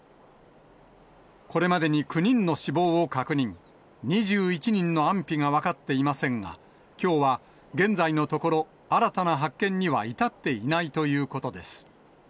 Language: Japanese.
これまでに９人の死亡を確認、２１人の安否が分かっていませんが、きょうは現在のところ、新たな発見には至っていないということです。